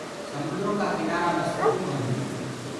سموندرو ڪآ ڪِنآرآ مي سُڪون هوندو هي۔